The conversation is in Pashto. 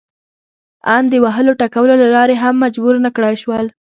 ان د وهلو ټکولو له لارې هم مجبور نه کړای شول.